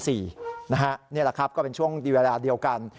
นี่แหละครับก็เป็นช่วงดีเวลาเดียวกัน